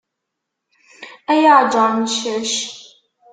Ay aɛǧar n ccac.